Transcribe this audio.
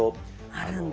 あるんだ。